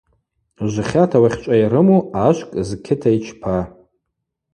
Жвхьата уахьчӏва йрыму ашвкӏ зкьыта йчпа.